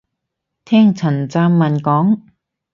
聽陳湛文講